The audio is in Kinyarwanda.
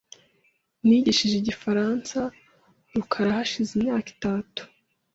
Nigishije igifaransa rukara hashize imyaka itatu .